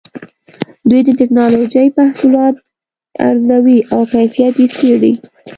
دوی د ټېکنالوجۍ محصولات ارزوي او کیفیت یې څېړي.